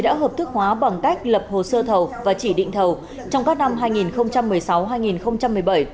đã hợp thức hóa bằng cách lập hồ sơ thầu và chỉ định thầu trong các năm hai nghìn một mươi sáu hai nghìn một mươi bảy